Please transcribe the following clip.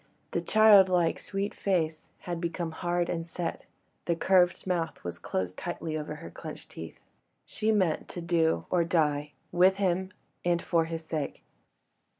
The childlike sweet face had become hard and set, the curved mouth was closed tightly over her clenched teeth. She meant to do or die, with him and for his sake.